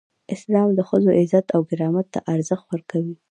اسلام د ښځو عزت او کرامت ته ارزښت ورکوي.